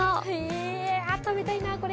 いや食べたいなこれ。